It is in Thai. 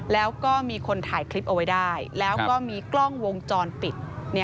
แล้วก็มีคนถ่ายคลิปเอาไว้ได้แล้วก็มีกล้องวงจรปิด